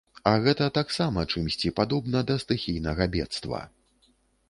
А гэта таксама чымсьці падобна да стыхійнага бедства.